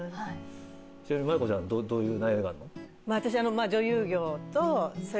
ちなみに麻衣子ちゃんどういう悩みがあんの？